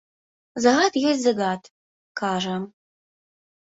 Загад ёсць загад, кажа.